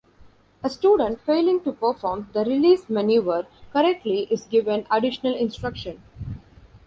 A student failing to perform the release maneuver correctly is given additional instruction.